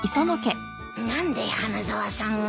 何で花沢さんが。